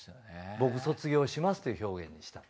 僕卒業しますっていう表現にしたの。